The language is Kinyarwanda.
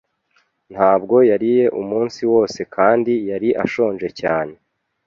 Ntabwo yariye umunsi wose kandi yari ashonje cyane.